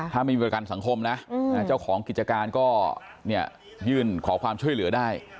ถ้าไม่มีประกันสังคมนะเจ้าของกิจการก็ยื่นขอความช่วยเหลือได้